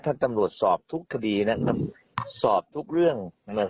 จะจะหมดสอบถูกทีในทรัพย์สอบทุกเรื่องเหนื่อย